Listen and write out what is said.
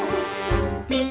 「ピッ」